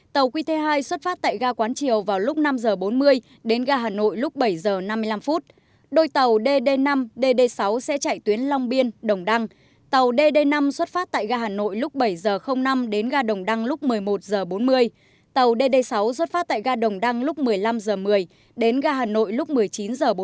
tàu xuất phát tại gà đồng đăng lúc một mươi năm h một mươi đến gà hà nội lúc một mươi chín h bốn mươi năm